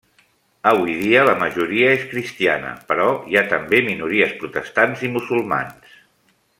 Avui dia la majoria és cristiana, però hi ha també minories protestants i musulmans.